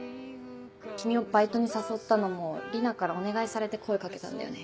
君をバイトに誘ったのも里奈からお願いされて声かけたんだよね。